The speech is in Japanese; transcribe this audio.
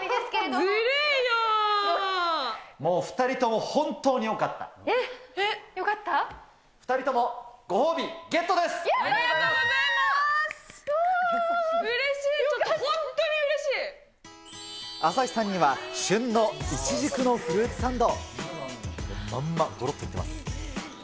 ちょっと本当にう朝日さんには、旬のイチジクのフルーツサンド。